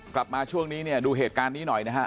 กลับมาช่วงนี้เนี่ยดูเหตุการณ์นี้หน่อยนะฮะ